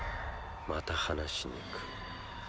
また話しにくる。